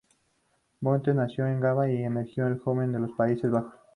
Boateng nació en Ghana y emigró de joven a los Países Bajos.